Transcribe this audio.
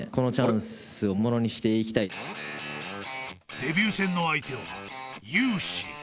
［デビュー戦の相手は］